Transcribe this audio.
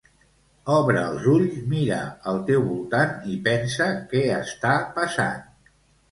Obre els ulls mira al teu voltant i pensa que està passant